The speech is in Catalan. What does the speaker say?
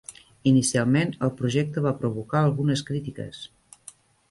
Inicialment, el projecte va provocar algunes crítiques.